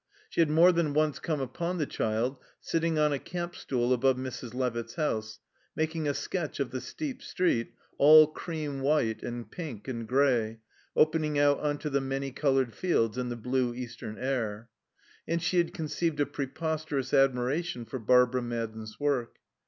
She had more than once come upon the child, sitting on a camp stool above Mrs. Levitt's house, making a sketch of the steep street, all cream white and pink and grey, opening out on to the many coloured fields and the blue eastern air. And she had conceived a preposterous admiration for Barbara Madden's work.